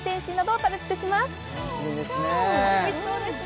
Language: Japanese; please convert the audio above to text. おいしそうですね